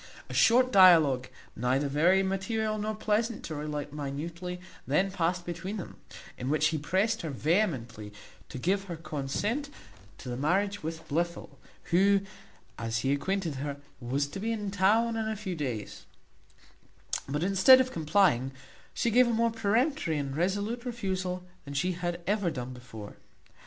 A short dialogue, neither very material nor pleasant to relate minutely, then passed between them, in which he pressed her vehemently to give her consent to the marriage with Blifil, who, as he acquainted her, was to be in town in a few days; but, instead of complying, she gave a more peremptory and resolute refusal than she had ever done before.